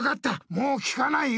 もう聞かないよ。